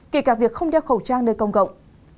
kể cả việc không đeo khẩu trang nơi công cộng